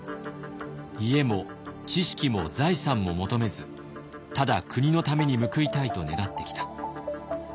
家も知識も財産も求めずただ国のために報いたいと願ってきた。